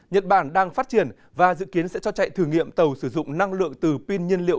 nhật bản đang phát triển và dự kiến sẽ cho chạy thử nghiệm tàu sử dụng năng lượng từ pin nhiên liệu